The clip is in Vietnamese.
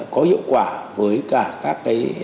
có hiệu quả với cả các cái